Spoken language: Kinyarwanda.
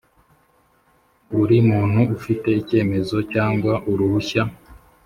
Buri muntu ufite icyemezo cyangwa uruhushya